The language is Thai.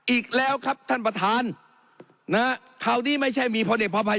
อีกแล้วครับท่านประธานนะฮะคราวนี้ไม่ใช่มีพลเอกประภัย